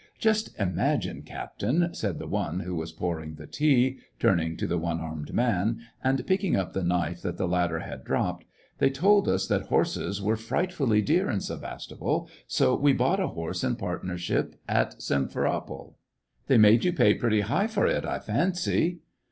" Just imagine, captain," said the one who was pouring the tea, turning to the one armed man, and picking up the knife that the latter had dropped, " they told us that horses were fright fully dear in Sevastopol, so we bought a horse in partnership at Simferopol." " They made you pay pretty high for it, I fancy."